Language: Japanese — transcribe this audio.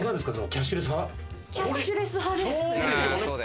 キャッシュレス派？